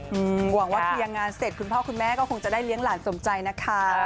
หวังว่าเคลียร์งานเสร็จคุณพ่อคุณแม่ก็คงจะได้เลี้ยงหลานสมใจนะคะ